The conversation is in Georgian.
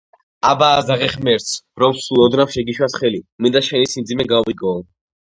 აბა, ასძახე ღმერთს, რომ სულ ოდნავ შეგიშვას ხელი, მინდა შენი სიმძიმე გავიგოო.